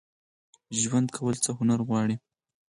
ژوند کول څه هنر غواړي؟